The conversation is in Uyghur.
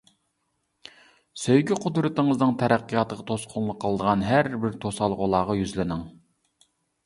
سۆيگۈ قۇدرىتىڭىزنىڭ تەرەققىياتىغا توسقۇنلۇق قىلىدىغان ھەر بىر توسالغۇلارغا يۈزلىنىڭ.